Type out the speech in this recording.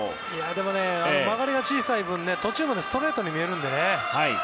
でも、曲がりが小さい分途中までストレートに見えるので。